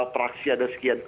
praksi ada sekian